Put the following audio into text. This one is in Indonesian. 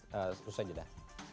terus saja dah